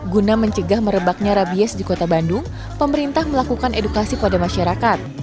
guna mencegah merebaknya rabies di kota bandung pemerintah melakukan edukasi pada masyarakat